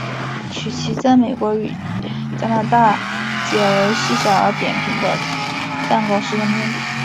曲奇在美国与加拿大解为细小而扁平的蛋糕式的面饼。